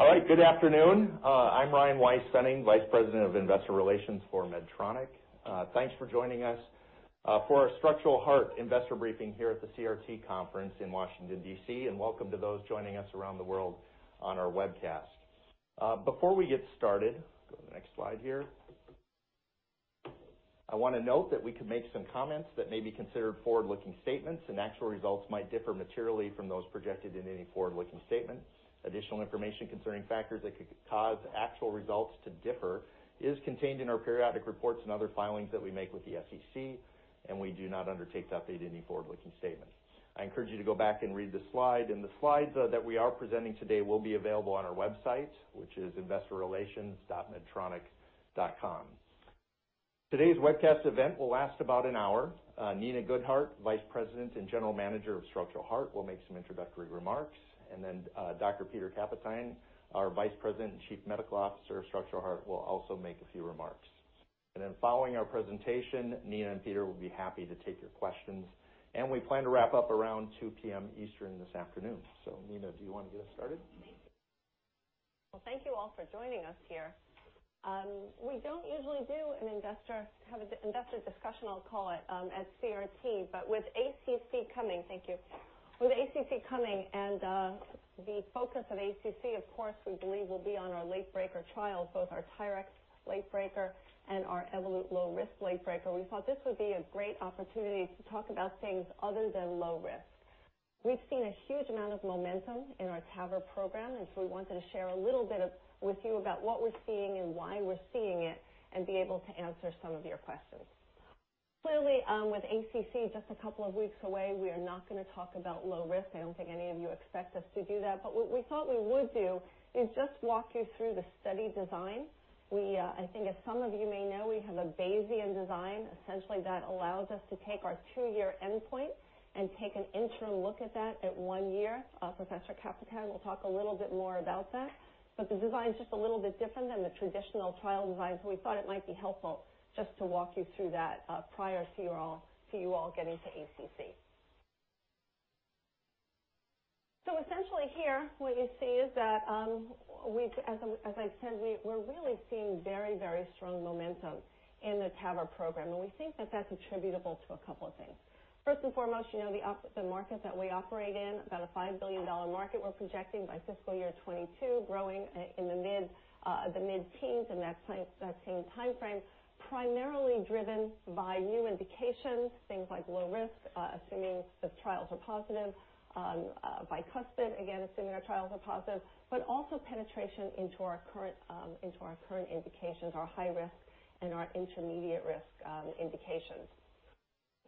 All right. Good afternoon. I'm Ryan Weispfenning, Vice President of Investor Relations for Medtronic. Thanks for joining us for our Structural Heart Investor Briefing here at the CRT Conference in Washington, D.C., and welcome to those joining us around the world on our webcast. Before we get started, go to the next slide here. I want to note that we could make some comments that may be considered forward-looking statements, and actual results might differ materially from those projected in any forward-looking statements. Additional information concerning factors that could cause actual results to differ is contained in our periodic reports and other filings that we make with the SEC, and we do not undertake to update any forward-looking statements. I encourage you to go back and read the slide, and the slides that we are presenting today will be available on our website, which is investorrelations.medtronic.com. Today's webcast event will last about an hour. Nina Goodheart, Vice President and General Manager of Structural Heart, will make some introductory remarks, and then Dr. Pieter Kapteyn, our Vice President and Chief Medical Officer of Structural Heart, will also make a few remarks. Following our presentation, Nina and Pieter will be happy to take your questions, and we plan to wrap up around 2:00 P.M. Eastern this afternoon. Nina, do you want to get us started? Well, thank you all for joining us here. We don't usually have an investor discussion, I'll call it, at CRT. With ACC coming, thank you. With ACC coming and the focus of ACC, of course, we believe will be on our late-breaker trials, both our TYRX late-breaker and our Evolut low-risk late-breaker, we thought this would be a great opportunity to talk about things other than low risk. We've seen a huge amount of momentum in our TAVR program, we wanted to share a little bit with you about what we're seeing and why we're seeing it and be able to answer some of your questions. Clearly, with ACC just a couple of weeks away, we are not going to talk about low risk. I don't think any of you expect us to do that. What we thought we would do is just walk you through the study design. I think as some of you may know, we have a Bayesian design, essentially, that allows us to take our two-year endpoint and take an interim look at that at one year. Professor Kapteyn will talk a little bit more about that. The design is just a little bit different than the traditional trial design, we thought it might be helpful just to walk you through that prior to you all getting to ACC. Essentially here, what you see is that, as I said, we're really seeing very, very strong momentum in the TAVR program, we think that's attributable to a couple of things. First and foremost, the market that we operate in, about a $5 billion market, we're projecting by fiscal year 2022, growing in the mid-teens in that same timeframe, primarily driven by new indications, things like low risk, assuming the trials are positive, bicuspid, again, assuming our trials are positive, but also penetration into our current indications, our high risk and our intermediate risk indications.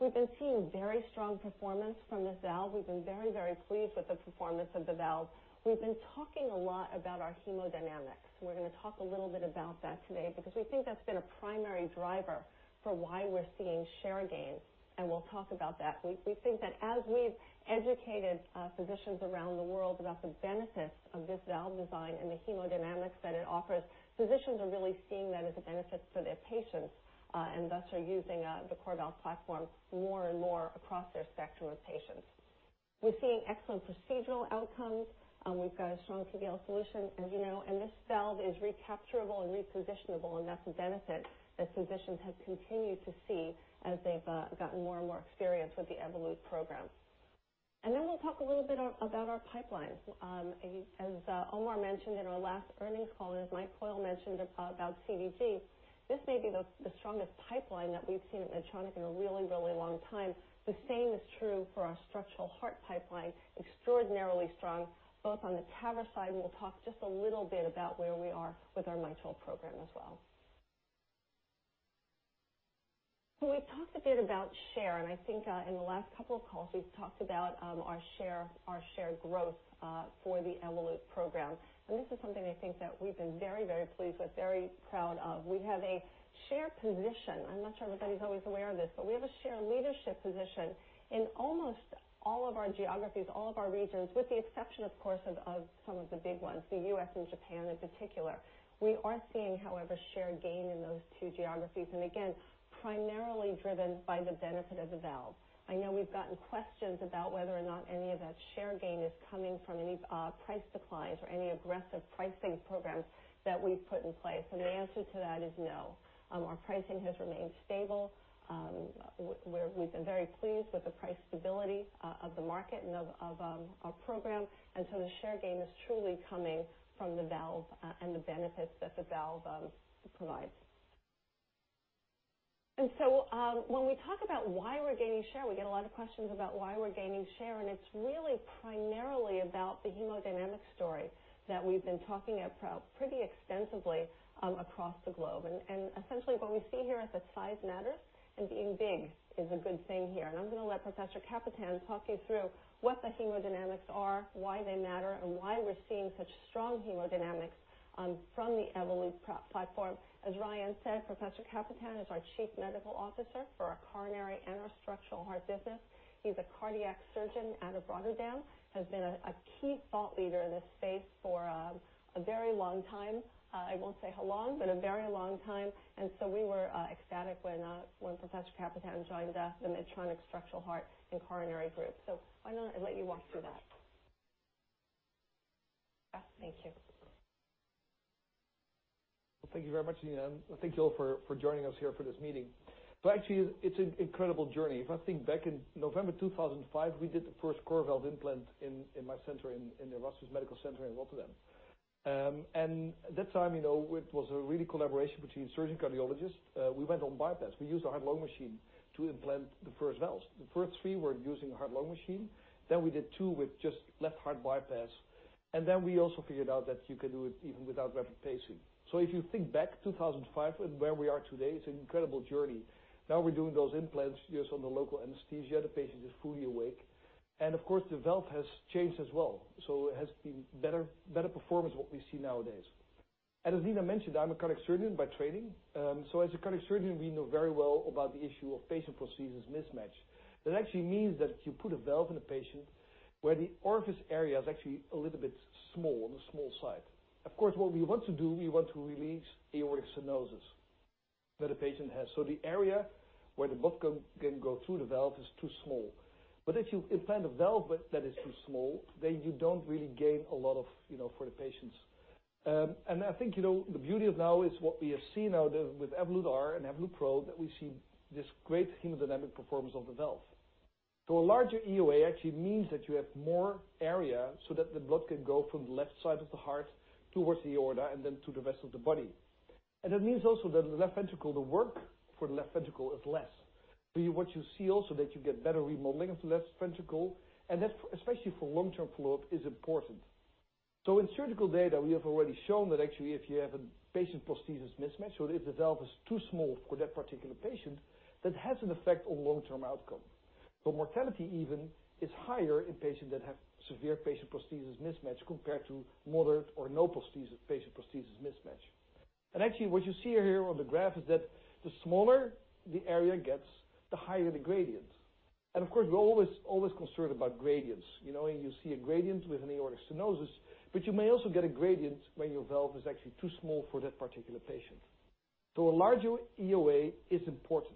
We've been seeing very strong performance from this valve. We've been very pleased with the performance of the valve. We've been talking a lot about our hemodynamics. We're going to talk a little bit about that today because we think that's been a primary driver for why we're seeing share gains. We'll talk about that. We think that as we've educated physicians around the world about the benefits of this valve design and the hemodynamics that it offers, physicians are really seeing that as a benefit for their patients. Thus are using the CoreValve platform more and more across their spectrum of patients. We're seeing excellent procedural outcomes. We've got a strong TAVR solution, as you know. This valve is recapturable and repositionable, and that's a benefit that physicians have continued to see as they've gotten more and more experience with the Evolut program. Then we'll talk a little bit about our pipeline. As Omar mentioned in our last earnings call, and as Mike Coyle mentioned about CDG, this may be the strongest pipeline that we've seen at Medtronic in a really long time. The same is true for our structural heart pipeline, extraordinarily strong, both on the TAVR side. We'll talk just a little bit about where we are with our Mitral program as well. We've talked a bit about share. I think in the last couple of calls, we've talked about our share growth for the Evolut program. This is something I think that we've been very pleased with, very proud of. We have a share position. I'm not sure everybody's always aware of this, but we have a share leadership position in almost all of our geographies, all of our regions, with the exception, of course, of some of the big ones, the U.S. and Japan in particular. We are seeing, however, share gain in those two geographies. Again, primarily driven by the benefit of the valve. I know we've gotten questions about whether or not any of that share gain is coming from any price declines or any aggressive pricing programs that we've put in place. The answer to that is no. Our pricing has remained stable. We've been very pleased with the price stability of the market and of our program. The share gain is truly coming from the valve and the benefits that the valve provides. When we talk about why we're gaining share, we get a lot of questions about why we're gaining share. It's really primarily about the hemodynamics story that we've been talking about pretty extensively across the globe. Essentially, what we see here is that size matters and being big is a good thing here. I'm going to let Professor Kapteyn talk you through what the hemodynamics are, why they matter, and why we're seeing such strong hemodynamics from the Evolut platform. As Ryan said, Professor Kapteyn is our Chief Medical Officer for our coronary and our Structural Heart business. He's a cardiac surgeon out of Rotterdam, has been a key thought leader in this space for a very long time. I won't say how long, but a very long time. We were ecstatic when Professor Kapteyn joined us in Medtronic Structural Heart and Coronary group. Why don't I let you walk through that, Pieter? Well, thank you very much, Nina. Thank you all for joining us here for this meeting. Actually, it's an incredible journey. If I think back in November 2005, we did the first CoreValve implant in my center, in the Erasmus Medical Center in Rotterdam. At that time, it was a really collaboration between surgeon cardiologists. We went on bypass. We used a heart-lung machine to implant the first valves. The first three were using a heart-lung machine. We did two with just left heart bypass, and we also figured out that you can do it even without rapid pacing. If you think back, 2005, and where we are today, it's an incredible journey. Now we're doing those implants just on the local anesthesia. The patient is fully awake. Of course, the valve has changed as well. It has been better performance what we see nowadays. As Nina mentioned, I'm a cardiac surgeon by training. As a cardiac surgeon, we know very well about the issue of patient-prosthesis mismatch. That actually means that if you put a valve in a patient where the orifice area is actually a little bit small, on the small side. Of course, what we want to do, we want to relieve aortic stenosis that a patient has. The area where the blood can go through the valve is too small. If you implant a valve that is too small, then you don't really gain a lot for the patients. I think the beauty of now is what we have seen now with Evolut R and Evolut PRO, that we see this great hemodynamic performance of the valve. A larger EOA actually means that you have more area, so that the blood can go from the left side of the heart towards the aorta and then to the rest of the body. That means also that the work for the left ventricle is less. What you see also, that you get better remodeling of the left ventricle, and that, especially for long-term follow-up, is important. In surgical data, we have already shown that actually, if you have a patient-prosthesis mismatch, so if the valve is too small for that particular patient, that has an effect on long-term outcome. Mortality even is higher in patients that have severe patient-prosthesis mismatch compared to moderate or no patient-prosthesis mismatch. Actually, what you see here on the graph is that the smaller the area gets, the higher the gradient. Of course, we're always concerned about gradients. You see a gradient with an aortic stenosis, you may also get a gradient when your valve is actually too small for that particular patient. A larger EOA is important.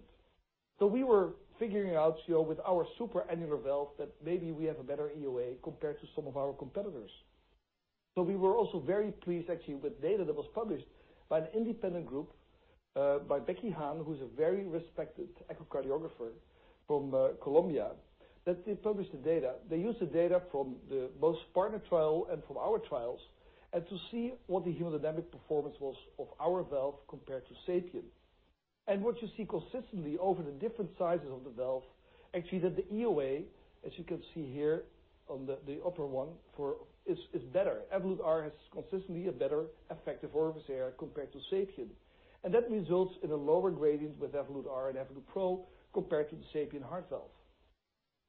We were figuring out with our superannular valve that maybe we have a better EOA compared to some of our competitors. We were also very pleased, actually, with data that was published by an independent group, by Becky Hahn, who's a very respected echocardiographer from Columbia, that they published the data. They used the data from both PARTNER trial and from our trials, to see what the hemodynamic performance was of our valve compared to SAPIEN. What you see consistently over the different sizes of the valve, actually, that the EOA, as you can see here on the upper one, is better. Evolut R has consistently a better effective orifice area compared to SAPIEN. That results in a lower gradient with Evolut R and Evolut PRO compared to the SAPIEN heart valve.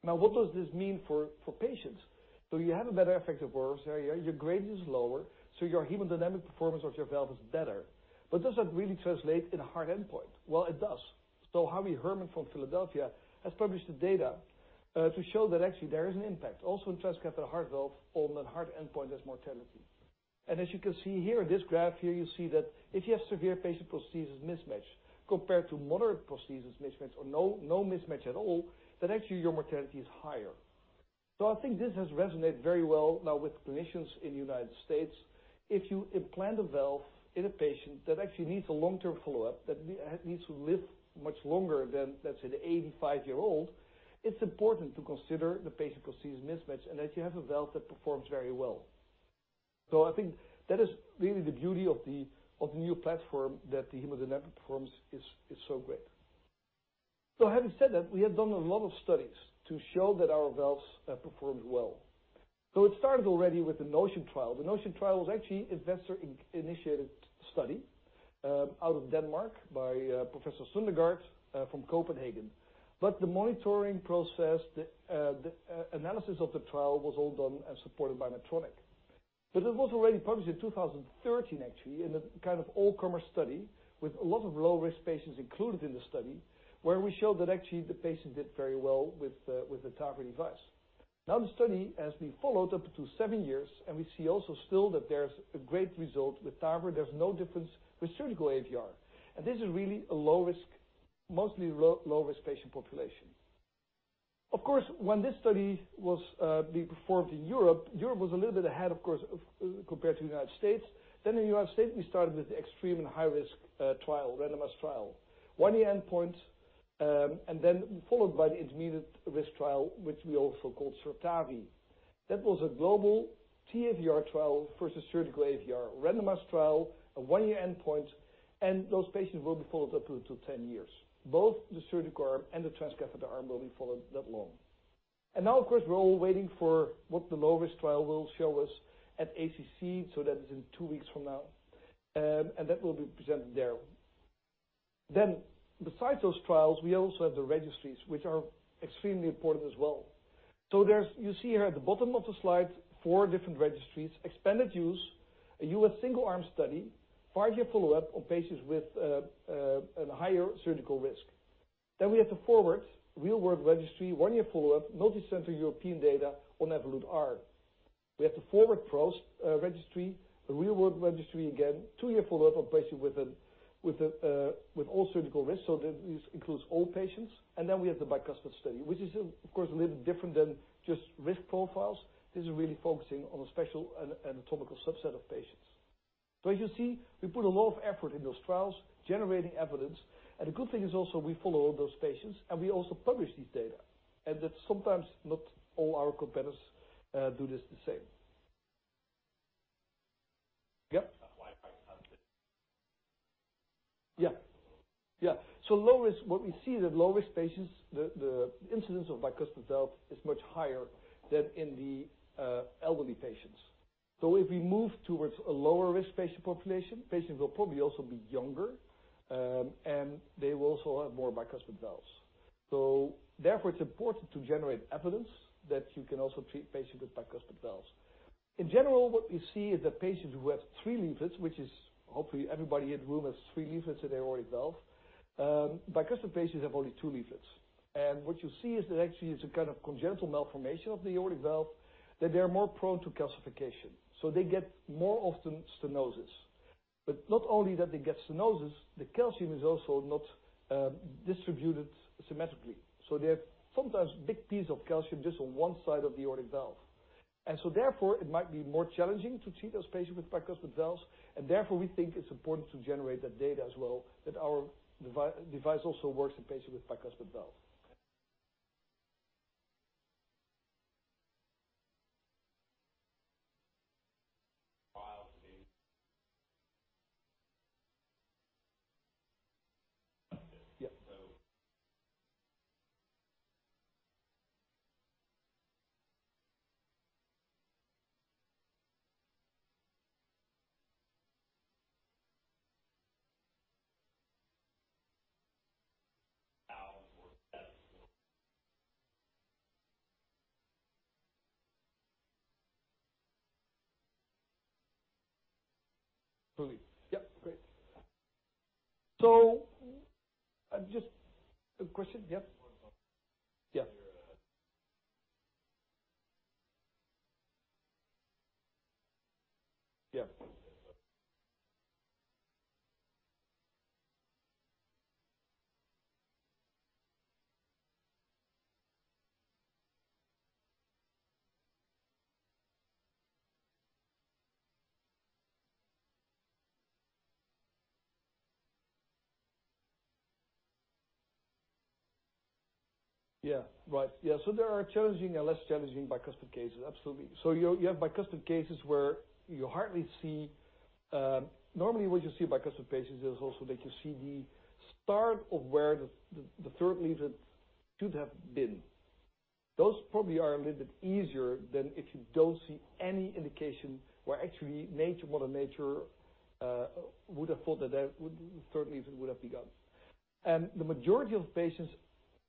Now, what does this mean for patients? You have a better effective orifice area. Your gradient is lower, so your hemodynamic performance of your valve is better. Does that really translate in a hard endpoint? Well, it does. Howie Herrmann from Philadelphia has published the data to show that actually there is an impact, also in transcatheter heart valve on that hard endpoint as mortality. As you can see here in this graph here, you see that if you have severe patient-prosthesis mismatch compared to moderate prosthesis mismatch or no mismatch at all, that actually your mortality is higher. I think this has resonated very well now with clinicians in the U.S. If you implant a valve in a patient that actually needs a long-term follow-up, that needs to live much longer than, let's say, the 85-year-old, it's important to consider the patient-prosthesis mismatch and that you have a valve that performs very well. I think that is really the beauty of the new platform that the hemodynamic performance is so great. Having said that, we have done a lot of studies to show that our valves have performed well. It started already with the NOTION trial. The NOTION trial is actually investigator-initiated study out of Denmark by Professor Søndergaard from Copenhagen. The monitoring process, the analysis of the trial was all done and supported by Medtronic. It was already published in 2013, actually, in a kind of all-comer study with a lot of low-risk patients included in the study, where we showed that actually the patient did very well with the TAVR device. The study has been followed up to 7 years, and we see also still that there's a great result with TAVR. There's no difference with surgical AVR. This is really a mostly low-risk patient population. When this study was being performed in Europe was a little bit ahead, of course, compared to the U.S. In the U.S., we started with the EXTREME and high-risk trial, randomized trial, a 1-year endpoint, and then followed by the intermediate-risk trial, which we also called SURTAVI. A global TAVR trial versus surgical AVR randomized trial, a 1-year endpoint, and those patients will be followed up to 10 years. Both the surgical arm and the transcatheter arm will be followed that long. Now, of course, we're all waiting for what the low-risk trial will show us at ACC. That is in 2 weeks from now. That will be presented there. Besides those trials, we also have the registries, which are extremely important as well. You see here at the bottom of the slide 4 different registries, expanded use, a U.S. single arm study, 5-year follow-up on patients with a higher surgical risk. We have the FORWARD real-world registry, 1-year follow-up, multicenter European data on Evolut R. We have the FORWARD PRO registry, a real-world registry again, 2-year follow-up on patient with all surgical risks, so this includes all patients. We have the bicuspid study, which is, of course, a little different than just risk profiles. This is really focusing on a special anatomical subset of patients. As you see, we put a lot of effort in those trials, generating evidence. The good thing is also we follow all those patients, and we also publish this data. That sometimes not all our competitors do this the same. Yep. Yeah. Low risk, what we see that low-risk patients, the incidence of bicuspid valve is much higher than in the elderly patients. If we move towards a lower-risk patient population, patients will probably also be younger, and they will also have more bicuspid valves. Therefore, it's important to generate evidence that you can also treat patients with bicuspid valves. In general, what we see is that patients who have three leaflets, which is hopefully everybody in room has three leaflets in their aortic valve. Bicuspid patients have only two leaflets. What you see is that actually it's a kind of congenital malformation of the aortic valve, that they are more prone to calcification. They get more often stenosis. Not only that they get stenosis, the calcium is also not distributed symmetrically. They have sometimes big piece of calcium just on one side of the aortic valve. Therefore, it might be more challenging to treat those patients with bicuspid valves. Therefore, we think it's important to generate that data as well, that our device also works in patients with bicuspid valve. Yep, great. Just A question? Yep. Yeah. Right. There are challenging and less challenging bicuspid cases. Absolutely. You have bicuspid cases where you hardly see. Normally what you see in bicuspid cases is also that you see the start of where the third leaflet should have been. Those probably are a little bit easier than if you don't see any indication where actually Mother Nature would have thought that the third leaflet would have begun. The majority of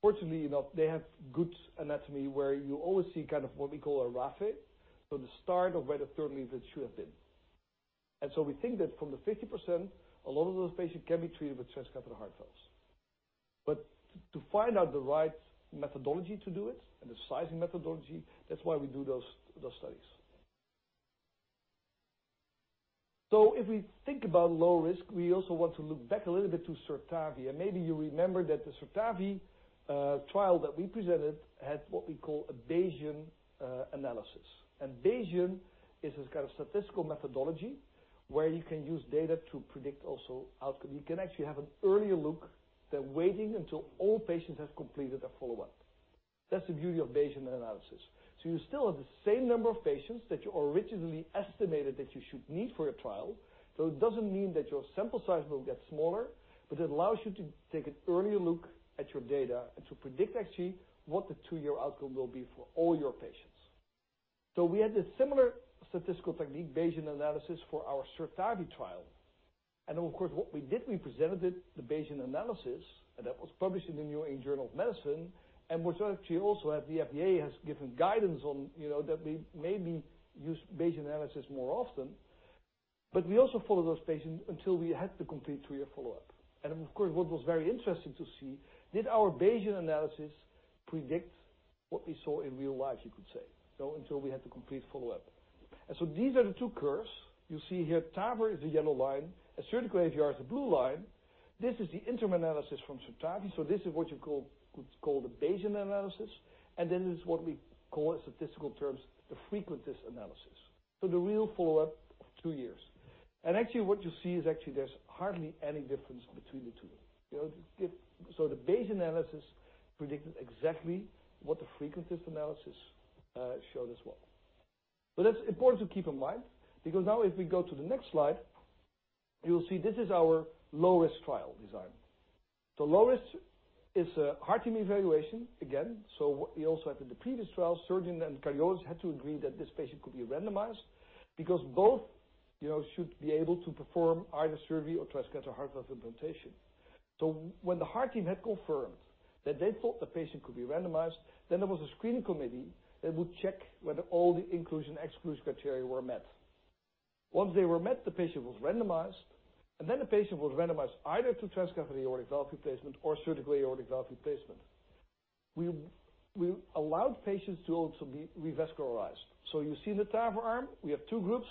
patients, fortunately enough, they have good anatomy where you always see kind of what we call a raphe. The start of where the third leaflet should have been. We think that from the 50%, a lot of those patients can be treated with transcatheter heart valves. To find out the right methodology to do it and the sizing methodology, that's why we do those studies. If we think about low risk, we also want to look back a little bit to SURTAVI. Maybe you remember that the SURTAVI trial that we presented had what we call a Bayesian analysis. Bayesian is this kind of statistical methodology where you can use data to predict also outcome. You can actually have an earlier look than waiting until all patients have completed their follow-up. That's the beauty of Bayesian analysis. You still have the same number of patients that you originally estimated that you should need for a trial. It doesn't mean that your sample size will get smaller, but it allows you to take an earlier look at your data and to predict actually what the two-year outcome will be for all your patients. We had a similar statistical technique, Bayesian analysis, for our SURTAVI trial. Of course, what we did, we presented it, the Bayesian analysis, and that was published in the New England Journal of Medicine and which actually also the FDA has given guidance on, that we maybe use Bayesian analysis more often. We also followed those patients until we had the complete three-year follow-up. Of course, what was very interesting to see, did our Bayesian analysis predict what we saw in real life, you could say? Until we had the complete follow-up. These are the two curves. You see here, TAVR is the yellow line and surgical AVR is the blue line. This is the interim analysis from SURTAVI. This is what you could call the Bayesian analysis, and this is what we call in statistical terms the frequentist analysis. The real follow-up of two years. Actually what you see is actually there's hardly any difference between the two. The Bayesian analysis predicted exactly what the frequentist analysis showed as well. That's important to keep in mind because now if we go to the next slide, you will see this is our low-risk trial design. The low risk is a heart team evaluation, again. What we also had in the previous trial, surgeon and cardiologists had to agree that this patient could be randomized because both should be able to perform either surgery or transcatheter heart valve implantation. When the heart team had confirmed that they thought the patient could be randomized, there was a screening committee that would check whether all the inclusion/exclusion criteria were met. Once they were met, the patient was randomized. The patient was randomized either to transcatheter aortic valve replacement or surgical aortic valve replacement. We allowed patients to also be revascularized. You see in the TAVR arm, we have two groups,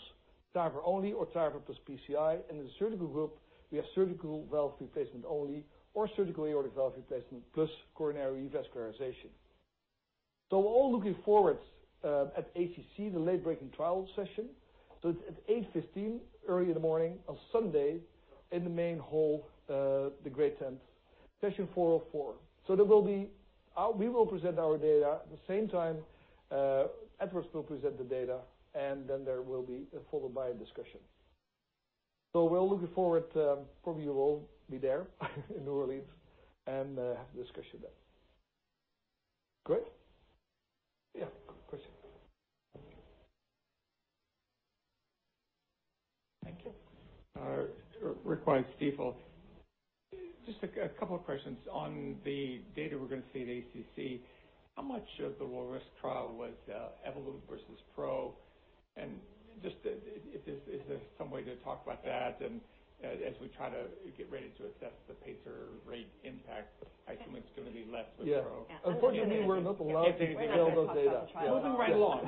TAVR only or TAVR plus PCI. In the surgical group, we have surgical valve replacement only or surgical aortic valve replacement plus coronary revascularization. We're all looking forward at ACC, the late breaking trial session. It's at 8:15 A.M., early in the morning on Sunday in the main hall, the great tent, session 404. We will present our data at the same time Edwards will present the data. There will be followed by a discussion. We're looking forward. Probably you will all be there in New Orleans and have the discussion then. Good? Yeah, question. Thank you. Rick Wise. Just a couple of questions on the data we're going to see at ACC. How much of the low-risk trial was Evolut versus Pro, and is there some way to talk about that? As we try to get ready to assess the pacer rate impact, I assume it's going to be less with Pro. Yeah. Unfortunately, we're not allowed to show those data. Moving right along.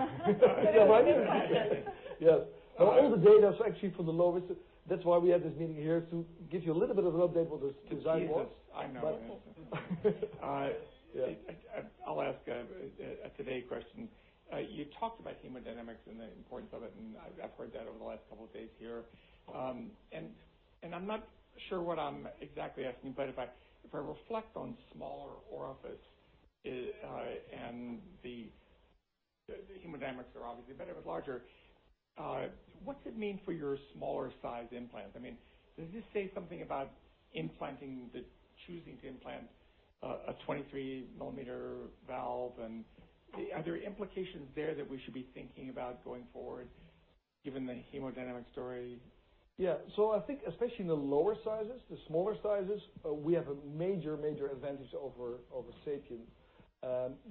Yeah. All the data is actually from the low-risk. That's why we had this meeting here, to give you a little bit of an update what the design was. Jesus. I know. Yeah. I'll ask a today question. You talked about hemodynamics and the importance of it, and I've heard that over the last couple of days here. I'm not sure what I'm exactly asking, but if I reflect on smaller orifice and the hemodynamics are obviously better with larger, what's it mean for your smaller size implants? Does this say something about implanting, the choosing to implant a 23-millimeter valve, and are there implications there that we should be thinking about going forward given the hemodynamic story? Yeah. I think especially in the lower sizes, the smaller sizes, we have a major advantage over SAPIEN.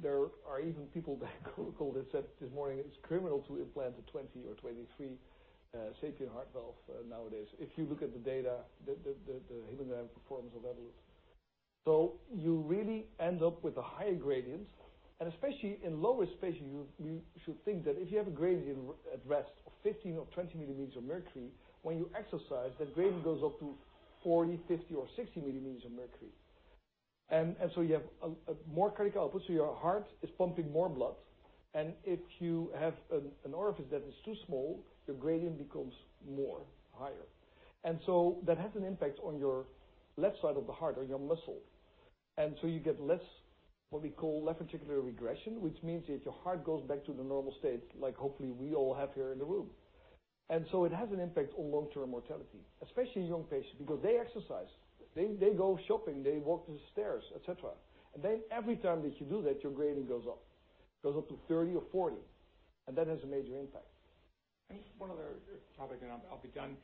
There are even people that called and said this morning it's criminal to implant a 20 or 23 SAPIEN heart valve nowadays if you look at the data, the hemodynamic performance of Evolut. You really end up with a higher gradient, and especially in lower SAPIEN, you should think that if you have a gradient at rest of 15 or 20 millimeters of mercury, when you exercise, that gradient goes up to 40, 50, or 60 millimeters of mercury. You have more cardiac output, so your heart is pumping more blood. If you have an orifice that is too small, your gradient becomes more higher. That has an impact on your left side of the heart or your muscle. You get less what we call left ventricular regression, which means that your heart goes back to the normal state, like hopefully we all have here in the room. It has an impact on long-term mortality, especially in young patients because they exercise. They go shopping. They walk the stairs, et cetera. Every time that you do that, your gradient goes up. It goes up to 30 or 40. That has a major impact. Just one other topic and I'll be done.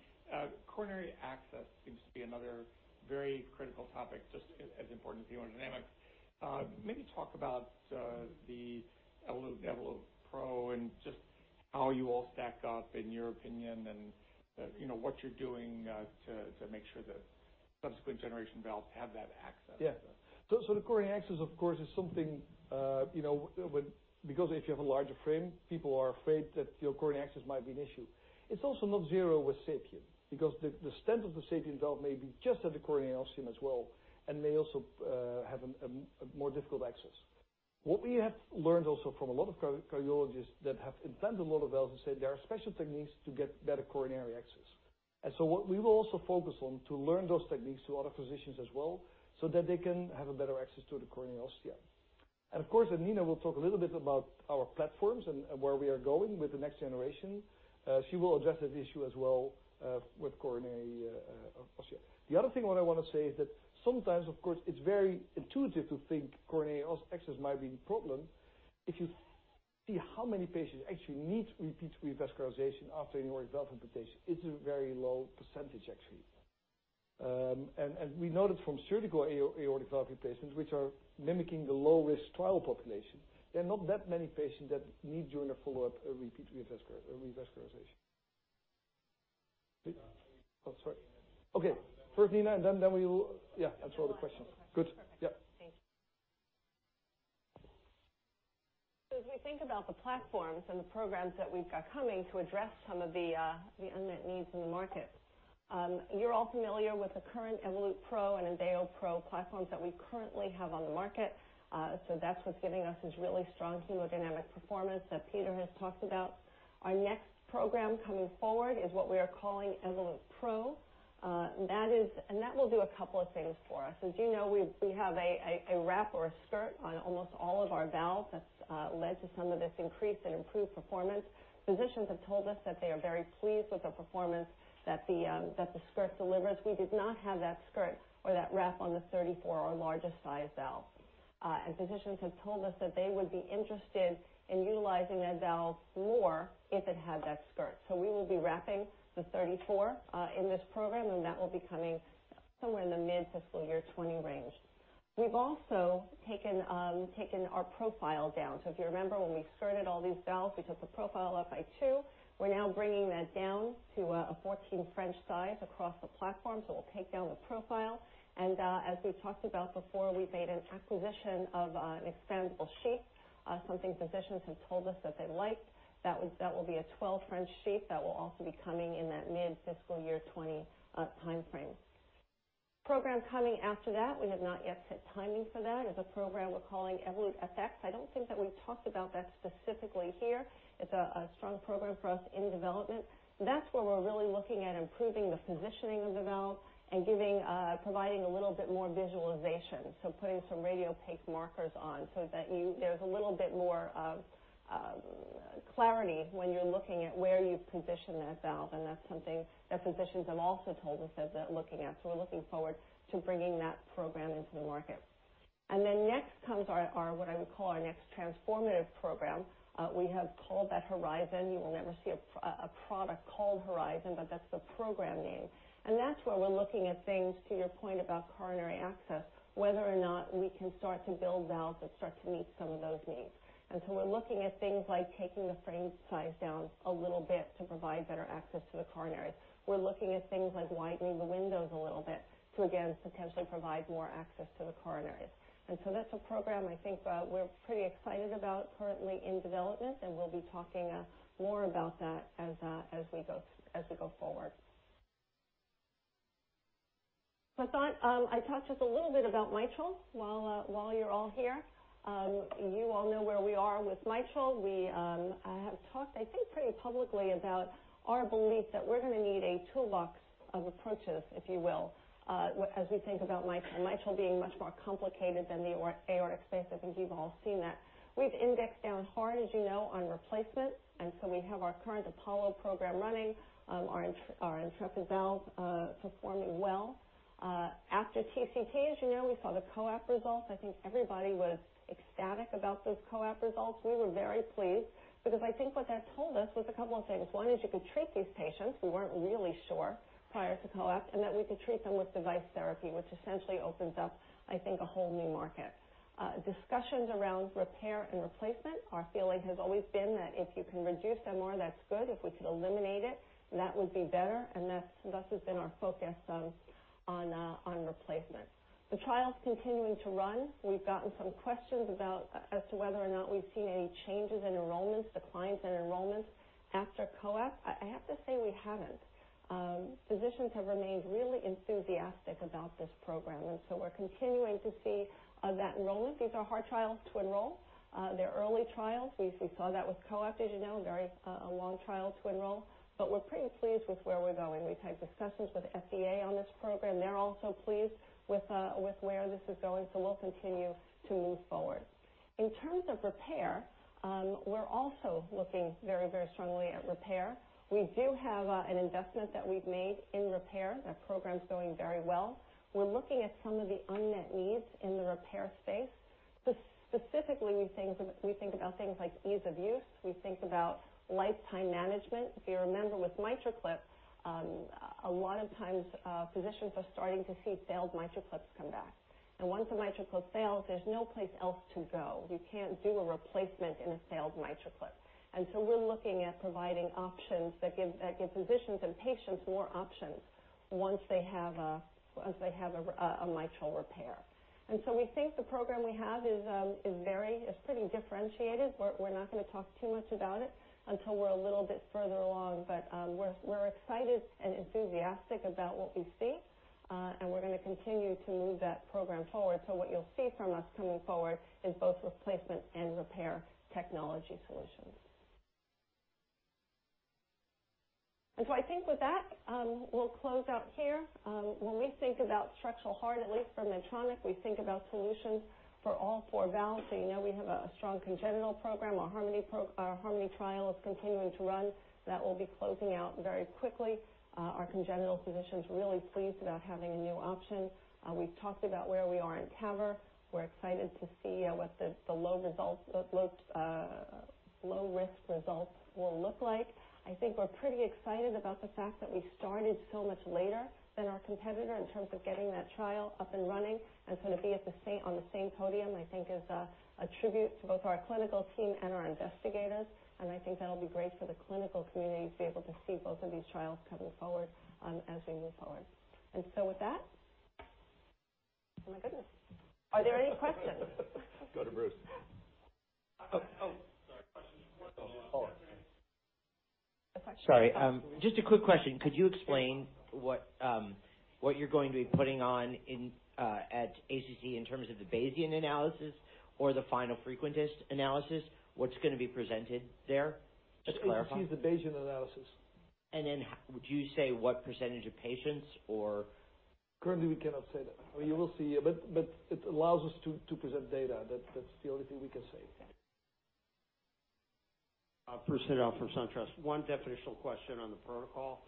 Coronary access seems to be another very critical topic, just as important as hemodynamics. Maybe talk about the Evolut PRO and just how you all stack up in your opinion and what you're doing to make sure that subsequent generation valves have that access. Yeah. The coronary access, of course, is something because if you have a larger frame, people are afraid that your coronary access might be an issue. It's also not zero with SAPIEN because the stent of the SAPIEN valve may be just at the coronary ostium as well and may also have a more difficult access. What we have learned also from a lot of cardiologists that have implanted a lot of valves and said there are special techniques to get better coronary access. What we will also focus on to learn those techniques to other physicians as well so that they can have a better access to the coronary ostium. Of course, Nina will talk a little bit about our platforms and where we are going with the next generation. She will address that issue as well with coronary ostium. The other thing what I want to say is that sometimes, of course, it's very intuitive to think coronary access might be the problem. If you see how many patients actually need repeat revascularization after an aortic valve implantation, it's a very low percentage actually. We know that from surgical aortic valve replacements, which are mimicking the low-risk trial population, there are not that many patients that need during a follow-up a repeat revascularization. Oh, sorry. Okay. First Nina, and then we will, yeah, answer all the questions. Good. Yeah. Thanks. As we think about the platforms and the programs that we've got coming to address some of the unmet needs in the market, you're all familiar with the current Evolut PRO and EnVeo PRO platforms that we currently have on the market. That's what's giving us this really strong hemodynamic performance that Pieter has talked about. Our next program coming forward is what we are calling Evolut PRO. That will do a couple of things for us. As you know, we have a wrap or a skirt on almost all of our valves that's led to some of this increased and improved performance. Physicians have told us that they are very pleased with the performance that the skirt delivers. We did not have that skirt or that wrap on the 34 or larger size valve. Physicians have told us that they would be interested in utilizing that valve more if it had that skirt. We will be wrapping the 34 in this program, and that will be coming somewhere in the mid-fiscal year 2020 range. We've also taken our profile down. If you remember when we started all these valves, we took the profile up by two. We're now bringing that down to a 14 French size across the platform, so we'll take down the profile. As we've talked about before, we've made an acquisition of an expandable sheath, something physicians have told us that they liked. That will be a 12 French sheath that will also be coming in that mid-fiscal year 2020 timeframe. Program coming after that, we have not yet set timing for that, is a program we're calling Evolut FX. I don't think that we talked about that specifically here. It's a strong program for us in development. That's where we're really looking at improving the positioning of the valve and providing a little bit more visualization. Putting some radiopaque markers on so that there's a little bit more of clarity when you're looking at where you've positioned that valve, and that's something that physicians have also told us they're looking at. We're looking forward to bringing that program into the market. Next comes what I would call our next transformative program. We have called that Horizon. You will never see a product called Horizon, but that's the program name. That's where we're looking at things, to your point about coronary access, whether or not we can start to build valves that start to meet some of those needs. We're looking at things like taking the frame size down a little bit to provide better access to the coronaries. We're looking at things like widening the windows a little bit to, again, potentially provide more access to the coronaries. That's a program I think we're pretty excited about currently in development, and we'll be talking more about that as we go forward. I thought I'd talk just a little bit about mitral while you're all here. You all know where we are with mitral. I have talked, I think, pretty publicly about our belief that we're going to need a toolbox of approaches, if you will, as we think about mitral. Mitral being much more complicated than the aortic space. I think you've all seen that. We've indexed down hard, as you know, on replacement. We have our current APOLLO program running, our Intrepid valve performing well. After TCT, as you know, we saw the COAPT results. I think everybody was ecstatic about those COAPT results. We were very pleased because I think what that told us was a couple of things. One is you could treat these patients who weren't really sure prior to COAPT, and that we could treat them with device therapy, which essentially opens up, I think, a whole new market. Discussions around repair and replacement. Our feeling has always been that if you can reduce MR, that's good. If we could eliminate it, that would be better, and thus has been our focus on replacement. The trial's continuing to run. We've gotten some questions as to whether or not we've seen any changes in enrollments, declines in enrollments after COAPT. I have to say we haven't. Physicians have remained really enthusiastic about this program. We're continuing to see that enrollment. These are hard trials to enroll. They're early trials. We saw that with COAPT, as you know, a very long trial to enroll. We're pretty pleased with where we're going. We've had discussions with FDA on this program. They're also pleased with where this is going. We'll continue to move forward. In terms of repair, we're also looking very strongly at repair. We do have an investment that we've made in repair. That program's going very well. We're looking at some of the unmet needs in the repair space. Specifically, we think about things like ease of use. We think about lifetime management. If you remember with MitraClip, a lot of times, physicians are starting to see failed MitraClips come back. Once a MitraClip fails, there's no place else to go. You can't do a replacement in a failed MitraClip. We're looking at providing options that give physicians and patients more options once they have a mitral repair. We think the program we have is pretty differentiated. We're not going to talk too much about it until we're a little bit further along. We're excited and enthusiastic about what we see. We're going to continue to move that program forward. What you'll see from us coming forward is both replacement and repair technology solutions. I think with that, we'll close out here. When we think about structural heart, at least for Medtronic, we think about solutions for all four valves. You know we have a strong congenital program. Our Harmony trial is continuing to run. That will be closing out very quickly. Our congenital physicians are really pleased about having a new option. We've talked about where we are in TAVR. We're excited to see what the low-risk results will look like. I think we're pretty excited about the fact that we started so much later than our competitor in terms of getting that trial up and running. To be on the same podium, I think is a tribute to both our clinical team and our investigators. I think that'll be great for the clinical community to be able to see both of these trials coming forward as we move forward. With that, oh my goodness. Are there any questions? Go to Bruce. Oh, sorry. Sorry. Just a quick question. Could you explain what you're going to be putting on at ACC in terms of the Bayesian analysis or the final frequentist analysis? What's going to be presented there? Just to clarify. ACC is the Bayesian analysis. Would you say what percentage of patients or? Currently, we cannot say that. Well, you will see. It allows us to present data. That's the only thing we can say. Chris Hitov from SunTrust. One definitional question on the protocol.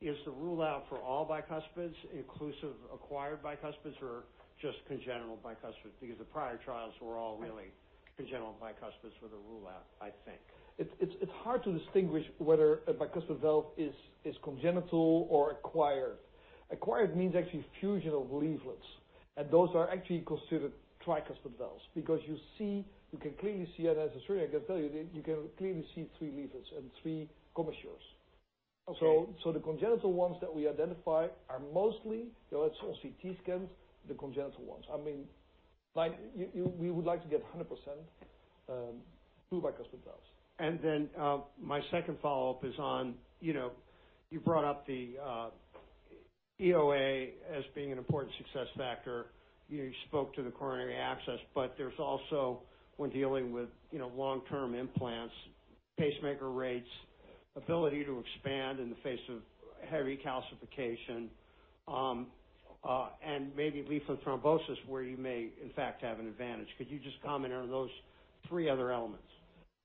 Is the rule-out for all bicuspids inclusive acquired bicuspids or just congenital bicuspids? The prior trials were all really congenital bicuspids for the rule-out, I think. It's hard to distinguish whether a bicuspid valve is congenital or acquired. Acquired means actually fusion of leaflets. Those are actually considered tricuspid valves, because you can clearly see, and as a surgeon, I can tell you that you can clearly see three leaflets and three commissures. Okay. the congenital ones that we identify are mostly, that's on CT scans, the congenital ones. We would like to get 100% true bicuspid valves. my second follow-up is on, you brought up the EOA as being an important success factor. You spoke to the coronary access, but there's also when dealing with long-term implants, pacemaker rates, ability to expand in the face of heavy calcification, and maybe leaflet thrombosis, where you may, in fact, have an advantage. Could you just comment on those three other elements?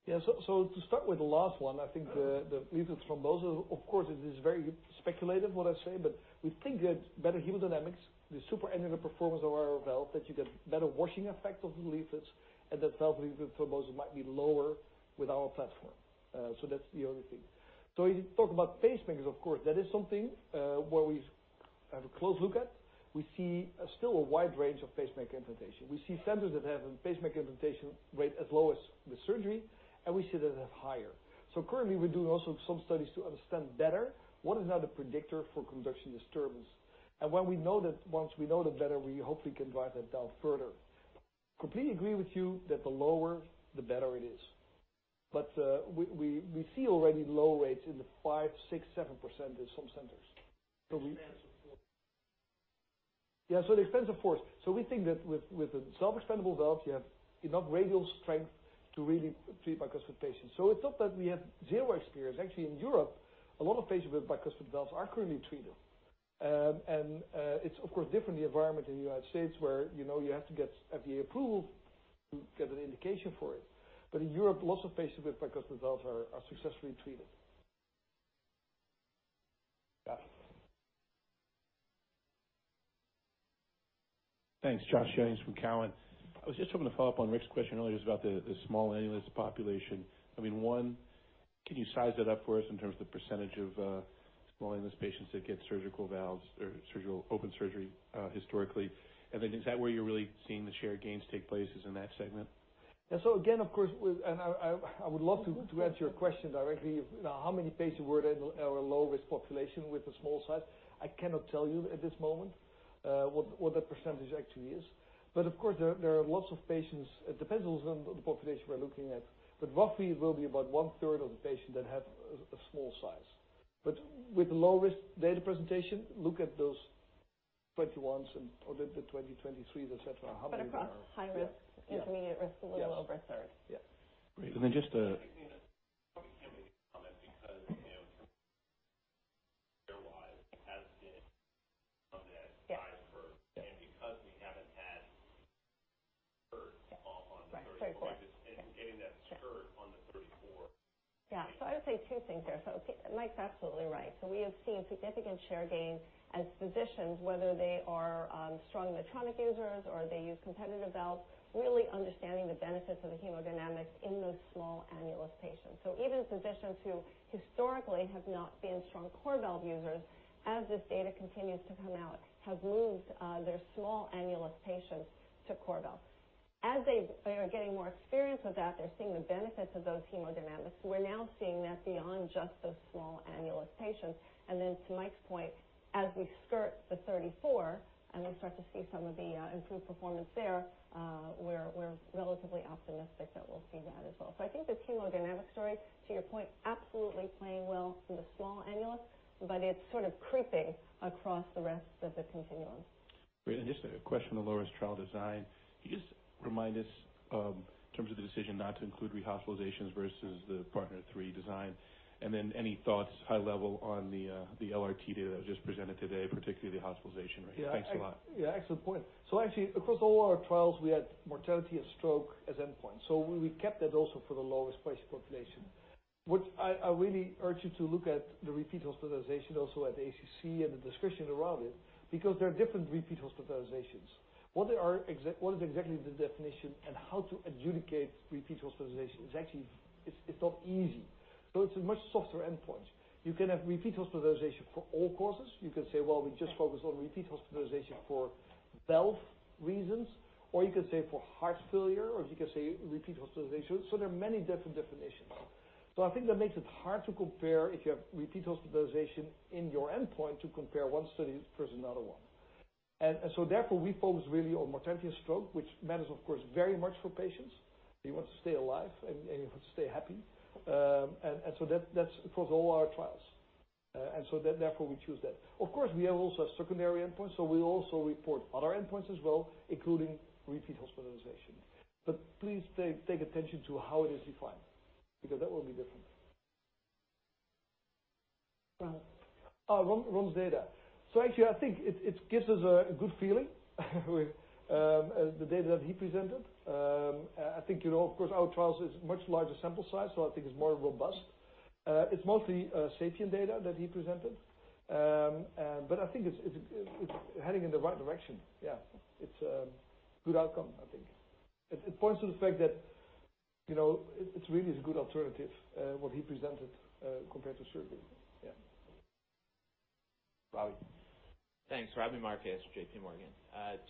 to start with the last one, I think the leaflet thrombosis, of course, it is very speculative what I say, but we think that better hemodynamics, the supra-annular performance of our valve, that you get better washing effect of the leaflets and that valve leaflet thrombosis might be lower with our platform. That's the other thing. You talk about pacemakers, of course, that is something where we have a close look at. We see still a wide range of pacemaker implantation. We see centers that have a pacemaker implantation rate as low as the surgery, and we see that have higher. Currently we're doing also some studies to understand better what is now the predictor for conduction disturbance. Once we know that better, we hopefully can drive that down further. Completely agree with you that the lower, the better it is. we see already low rates in the 5%, 6%, 7% in some centers. The expansive force. Yeah, the expansive force. We think that with the self-expandable valve, you have enough radial strength to really treat bicuspid patients. It's not that we have zero experience. Actually, in Europe, a lot of patients with bicuspid valves are currently treated. It's, of course, different, the environment in the U.S. where you have to get FDA approval to get an indication for it. In Europe, lots of patients with bicuspid valves are successfully treated. Yeah. Thanks. Joshua Jennings from Cowen. One, can you size that up for us in terms of the percentage of small annulus patients that get surgical valves or open surgery historically? Is that where you're really seeing the shared gains take place is in that segment? Yeah. Again, of course, I would love to answer your question directly of how many patients were in our low-risk population with a small size. I cannot tell you at this moment what that percentage actually is. Of course, there are lots of patients. It depends on the population we're looking at. Roughly it will be about one-third of the patients that have a small size. With the low-risk data presentation, look at those 21s and the 20, 23s, et cetera, how many are- Across high risk- Yeah intermediate risk, a little over a third. Yes. Great. Then just a- I think we probably can make a comment because share-wise, it hasn't been on that five for. Yeah. Because we haven't had on the 34- Right. Very quick Getting that skirt on the 34. I would say two things there. Mike's absolutely right. We have seen significant share gains as physicians, whether they are strong Medtronic users or they use competitive valves, really understanding the benefits of the hemodynamics in those small annulus patients. Even physicians who historically have not been strong CoreValve users, as this data continues to come out, have moved their small annulus patients to CoreValve. As they are getting more experience with that, they're seeing the benefits of those hemodynamics. We're now seeing that beyond just those small annulus patients. To Mike's point, as we skirt the 34 and then start to see some of the improved performance there, we're relatively optimistic that we'll see that as well. The hemodynamics story, to your point, absolutely playing well in the small annulus, but it's sort of creeping across the rest of the continuum. Great. Just a question on the Low Risk TAVR trial design. Can you just remind us, in terms of the decision not to include rehospitalizations versus the PARTNER 3 design, then any thoughts, high level, on the LRT data that was just presented today, particularly the hospitalization rate? Thanks a lot. Yeah. Excellent point. Actually, across all our trials, we had mortality of stroke as endpoint. We kept that also for the low-risk patient population. What I really urge you to look at the repeat hospitalization also at ACC and the discussion around it, because there are different repeat hospitalizations. What is exactly the definition and how to adjudicate repeat hospitalization is actually not easy. It's a much softer endpoint. You can have repeat hospitalization for all causes. You can say, well, we just focus on repeat hospitalization for valve reasons, or you can say for heart failure, or as you can say, repeat hospitalization. There are many different definitions. I think that makes it hard to compare if you have repeat hospitalization in your endpoint to compare one study versus another one. Therefore, we focus really on mortality and stroke, which matters of course very much for patients. They want to stay alive and want to stay happy. That's across all our trials. Therefore we choose that. Of course, we have also secondary endpoints, so we also report other endpoints as well, including repeat hospitalization. But please pay take attention to how it is defined, because that will be different. Ron's data. Actually, I think it gives us a good feeling with the data that he presented. I think you know, of course, our trials is much larger sample size, so I think it's more robust. It's mostly SAPIEN data that he presented. I think it's heading in the right direction. Yeah. It's a good outcome, I think. It's really a good alternative, what he presented, compared to surgery. Yeah. Ravi. Thanks. Ravi Misra from JPMorgan.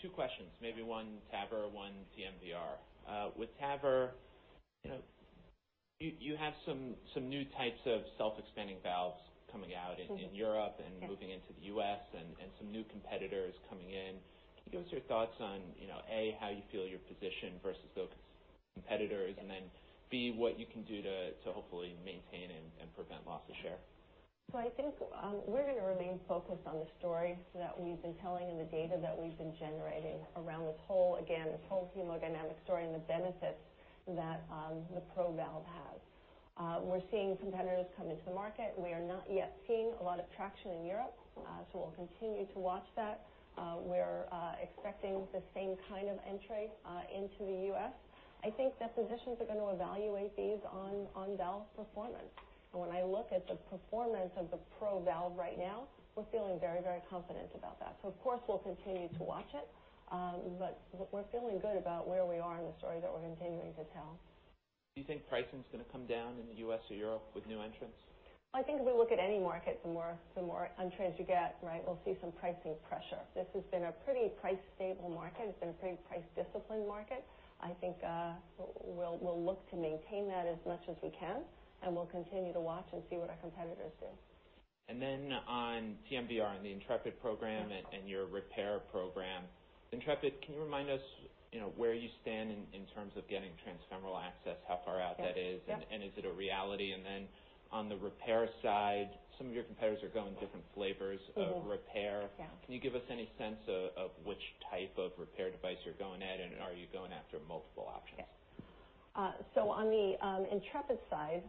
Two questions, maybe one TAVR, one TMVR. With TAVR, you have some new types of self-expanding valves coming out in Europe and moving into the U.S., and some new competitors coming in. Can you give us your thoughts on, A, how you feel you're positioned versus those competitors, and then, B, what you can do to hopefully maintain and prevent loss of share? I think we're going to remain focused on the story that we've been telling and the data that we've been generating around this whole, again, this whole hemodynamic story and the benefits that the PRO valve has. We're seeing competitors come into the market. We are not yet seeing a lot of traction in Europe, so we'll continue to watch that. We're expecting the same kind of entry into the U.S. I think that physicians are going to evaluate these on valve performance. When I look at the performance of the PRO valve right now, we're feeling very confident about that. Of course, we'll continue to watch it, but we're feeling good about where we are and the story that we're continuing to tell. Do you think pricing's going to come down in the U.S. or Europe with new entrants? I think if we look at any market, the more entrants you get, we'll see some pricing pressure. This has been a pretty price-stable market. It's been a pretty price-disciplined market. I think we'll look to maintain that as much as we can, and we'll continue to watch and see what our competitors do. On TMVR and the Intrepid program and your repair program. Intrepid, can you remind us where you stand in terms of getting transfemoral access, how far out that is, and is it a reality? On the repair side, some of your competitors are going different flavors of repair. Yeah. Can you give us any sense of which type of repair device you're going at, and are you going after multiple options? Yeah. On the Intrepid side,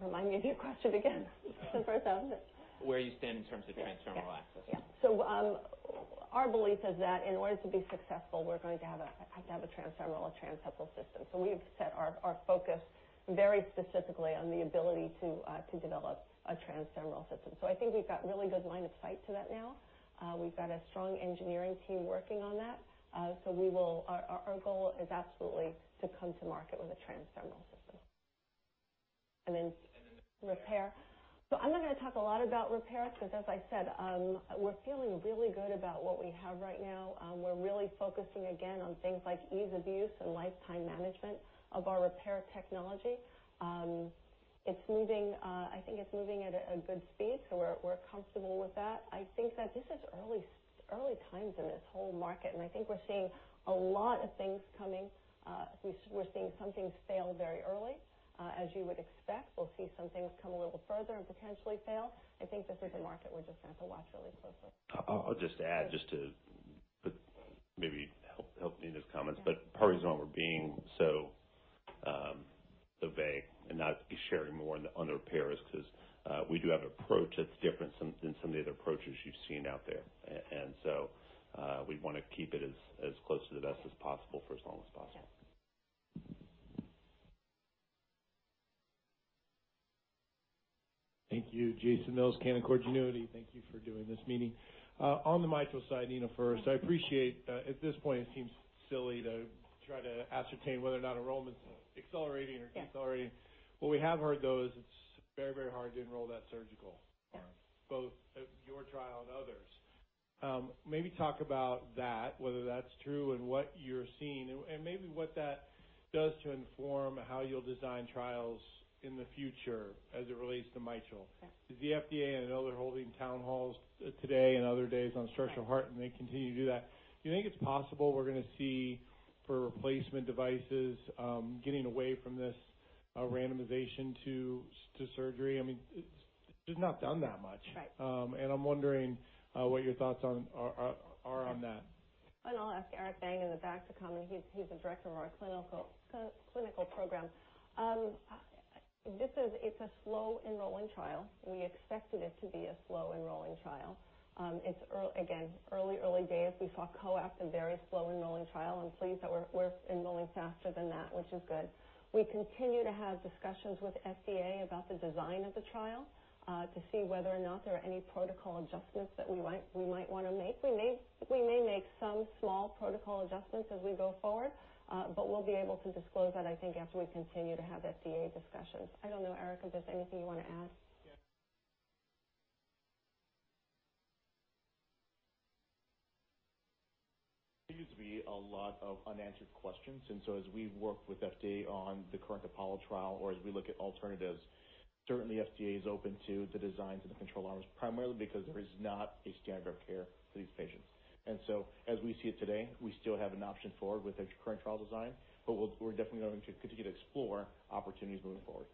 remind me of your question again, the first half of it. Where you stand in terms of transfemoral access. Yeah. Our belief is that in order to be successful, we're going to have a transfemoral or transfemoral system. We've set our focus very specifically on the ability to develop a transfemoral system. I think we've got really good line of sight to that now. We've got a strong engineering team working on that. Our goal is absolutely to come to market with a transfemoral system. Repair. I'm not going to talk a lot about repair because as I said, we're feeling really good about what we have right now. We're really focusing again on things like ease of use and lifetime management of our repair technology. I think it's moving at a good speed, so we're comfortable with that. This is early times in this whole market, and I think we're seeing a lot of things coming. We're seeing some things fail very early, as you would expect. We'll see some things come a little further and potentially fail. This is a market we're just going to have to watch really closely. I'll just add, just to maybe help Nina's comments, part of the reason we're being so vague and not sharing more on the repairs is because we do have approach that's different than some of the other approaches you've seen out there. We'd want to keep it as close to the vest as possible for as long as possible. Yeah. Thank you, Jason Mills, Canaccord Genuity. Thank you for doing this meeting. On the mitral side, Nina, first, I appreciate at this point it seems silly to try to ascertain whether or not enrollment's accelerating or decelerating. Yeah. What we have heard, though, is it's very hard to enroll that surgical. Yeah. Both your trial and others. Maybe talk about that, whether that's true and what you're seeing, and maybe what that does to inform how you'll design trials in the future as it relates to mitral. Yeah. The FDA, I know, they're holding town halls today and other days on structural heart. They continue to do that. Do you think it's possible we're going to see for replacement devices, getting away from this randomization to surgery? It's not done that much. Right. I'm wondering what your thoughts are on that. I'll ask Eric Vang in the back to comment. He's the director of our clinical program. It's a slow enrolling trial. We expected it to be a slow enrolling trial. It's, again, early days. We saw COAPT, a very slow enrolling trial. I'm pleased that we're enrolling faster than that, which is good. We continue to have discussions with FDA about the design of the trial, to see whether or not there are any protocol adjustments that we might want to make. We may make some small protocol adjustments as we go forward, but we'll be able to disclose that, I think, after we continue to have FDA discussions. I don't know, Eric, if there's anything you want to add? Seems to be a lot of unanswered questions, as we work with FDA on the current APOLLO trial or as we look at alternatives, certainly FDA is open to the designs and the control arms, primarily because there is not a standard of care for these patients. As we see it today, we still have an option forward with the current trial design, but we're definitely going to continue to explore opportunities moving forward.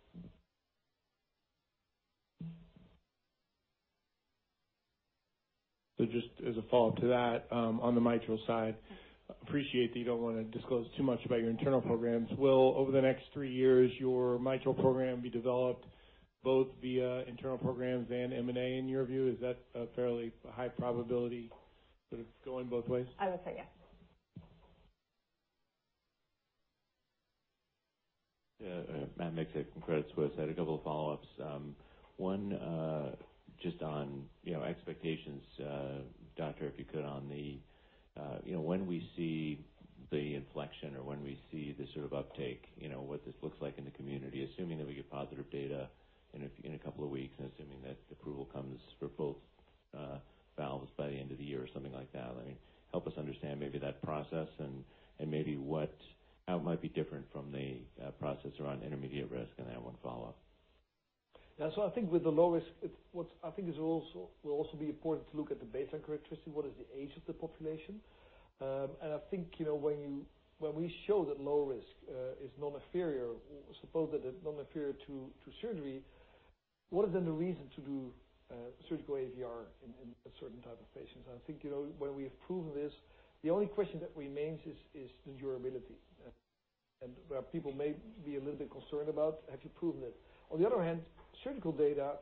Just as a follow-up to that, on the mitral side, appreciate that you don't want to disclose too much about your internal programs. Will, over the next three years, your mitral program be developed both via internal programs and M&A, in your view? Is that a fairly high probability, sort of going both ways? I would say yes. Matt Miksic from Credit Suisse. I had a couple of follow-ups. One, just on expectations, doctor, if you could, on the- When we see the inflection or when we see the sort of uptake, what this looks like in the community, assuming that we get positive data in a couple of weeks, and assuming that approval comes for both valves by the end of the year or something like that. Help us understand maybe that process and maybe how it might be different from the process around intermediate risk. I have one follow-up. Yeah. I think with the low risk, I think it will also be important to look at the baseline characteristic, what is the age of the population. I think when we show that low risk is non-inferior to surgery, what is then the reason to do surgical AVR in a certain type of patients? I think when we have proven this, the only question that remains is the durability. Where people may be a little bit concerned about, have you proven it? On the other hand, surgical data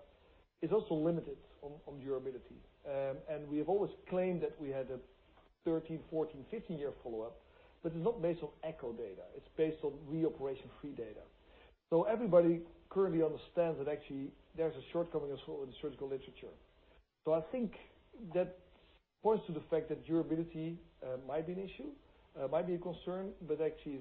is also limited on durability. We have always claimed that we had a 13, 14, 15-year follow-up, but it's not based on echo data. It's based on reoperation-free data. Everybody currently understands that actually there's a shortcoming as well in the surgical literature. I think that points to the fact that durability might be an issue, might be a concern, but actually